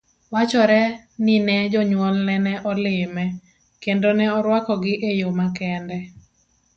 Wachore ni ne jonyuolne ne olime, kendo ne oruako gi eyo makende.